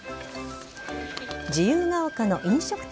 自由が丘の飲食店。